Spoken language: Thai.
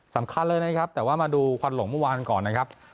สำคัญเลยนะครับแต่ว่ามาดูควันหลงเมื่อวานก่อนนะครับ